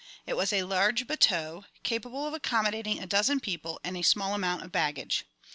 It was a large bateau, capable of accommodating a dozen people and a small amount of baggage.